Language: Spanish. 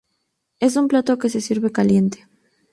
Es un plato que se sirve caliente.